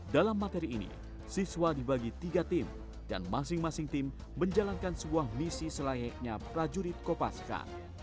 dalam materi ini siswa dibagi tiga tim dan masing masing tim menjalankan sebuah misi selayaknya prajurit kopaska